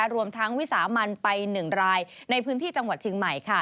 รวมทั้งวิสามันไป๑รายในพื้นที่จังหวัดเชียงใหม่